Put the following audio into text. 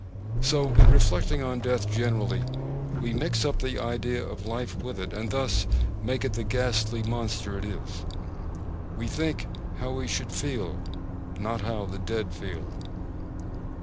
So in reflecting on death generally, we mix up the idea of life with it, and thus make it the ghastly monster it is. We think, how we should feel, not how the dead feel.